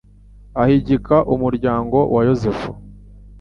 Ahigika umuryango wa Yozefu